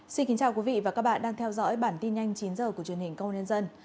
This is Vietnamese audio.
xin kính chào quý vị và các bạn đang theo dõi bản tin nhanh chín h của truyền hình công an nhân dân